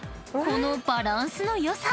このバランスの良さ！］